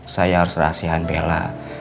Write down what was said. saya harus rahasiakan bella